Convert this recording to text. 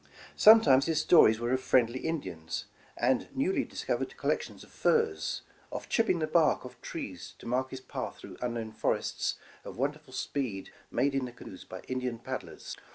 Sometimes his stories were of friendly Indians, and newly discovered collections of furs, of chipping the bark of trees to mark his path through unknown forests^ of wonderful speed made in the canoes by Indian pad dlers.